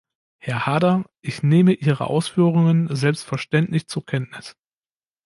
Herr Haarder, ich nehme Ihre Ausführungen selbstverständlich zur Kenntnis.